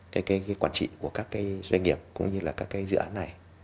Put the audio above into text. cái quản trị của các cái doanh nghiệp cũng như là các cái dự án này